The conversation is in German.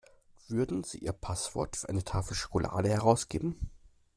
Würden Sie Ihr Passwort für eine Tafel Schokolade herausgeben?